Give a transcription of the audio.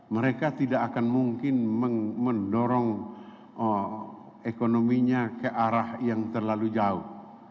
mereka tidak akan mungkin mendorong ekonominya ke arah yang terlalu jauh